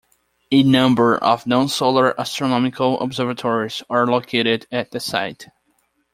A number of non-solar astronomical observatories are located at the site.